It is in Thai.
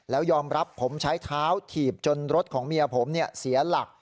แล้วยอมรับผมใช้เท้าถีบจนรถของเมียผมเสียหลัก